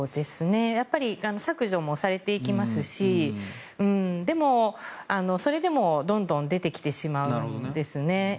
削除もされていきますしでもそれでもどんどん出てきてしまうんですね。